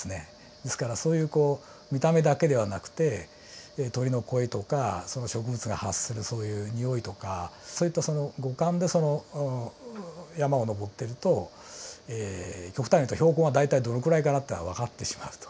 ですからそういうこう見た目だけではなくて鳥の声とか植物が発するそういうにおいとかそういった五感で山を登ってると極端にいうと標高が大体どのくらいかなっていうのがわかってしまうと。